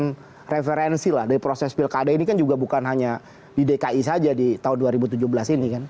referensi lah dari proses pilkada ini kan juga bukan hanya di dki saja di tahun dua ribu tujuh belas ini kan